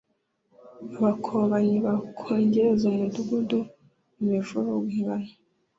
abakobanyi bakongeza umudugudu imivurungano